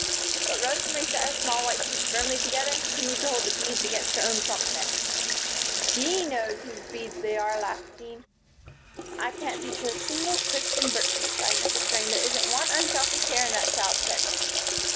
But Rosa Marie set her small white teeth firmly together and continued to hold the beads against her own plump neck. "She knows whose beads they are," laughed Jean. "I can't teach her a single Christian virtue," sighed Mrs. Crane. "There isn't one unselfish hair in that child's head."